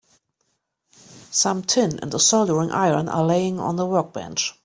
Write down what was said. Some tin and a soldering iron are laying on the workbench.